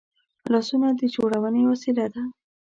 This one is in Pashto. لاسونه د جوړونې وسیله ده